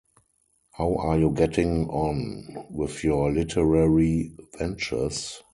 How are you getting on with your literary ventures?